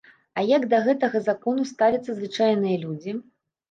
А як да гэтага закону ставяцца звычайныя людзі?